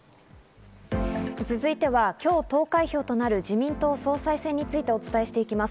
続いてはきょう投開票となる自民党総裁選についてお伝えしていきます。